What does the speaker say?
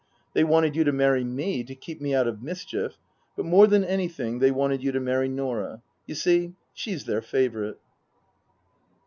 They wanted you to marry me to keep me out of mischief, but more than anything they wanted you to marry Norah. You see, she's their favourite."